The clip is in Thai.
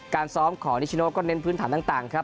การซ้อมของนิชโนก็เน้นพื้นฐานต่างครับ